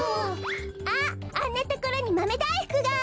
あっあんなところにまめだいふくが！